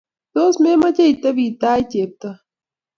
Tos memache itebe tai ii Chetoo?